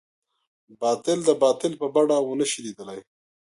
باطل د باطل په بڼه ونه شي ليدلی.